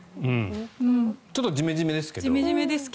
ちょっとジメジメですけど。